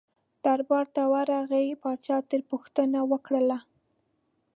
دربار له ورغی پاچا ترې پوښتنه وکړله.